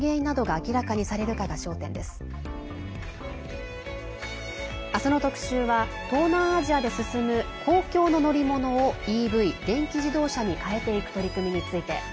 明日の特集は東南アジアで進む公共の乗り物をＥＶ＝電気自動車に変えていく取り組みについて。